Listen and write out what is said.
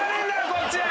こっちは！